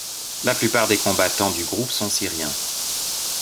La plupart des combattants du groupe sont Syriens.